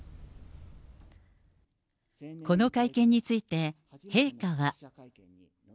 この会見について、陛下は。